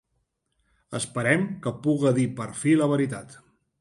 Esperem que puga dir per fi la veritat.